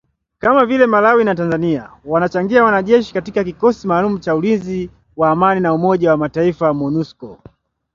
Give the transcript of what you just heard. kama vile Malawi na Tanzania wanachangia wanajeshi katika kikosi maalum cha ulinzi wa amani cha Umoja wa Mataifa MONUSCO